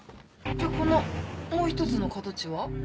じゃあこのもう一つの角地は？